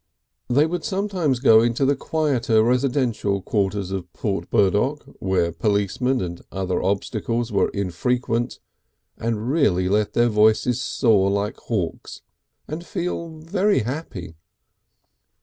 They would sometimes go into the quieter residential quarters of Port Burdock, where policemen and other obstacles were infrequent, and really let their voices soar like hawks and feel very happy.